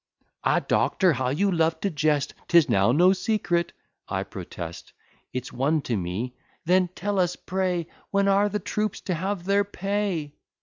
"Ah, Doctor, how you love to jest! 'Tis now no secret" I protest It's one to me "Then tell us, pray, When are the troops to have their pay?"